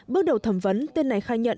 bước đầu thẩm vấn tên này khai nhận